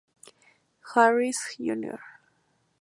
Harris, Jr.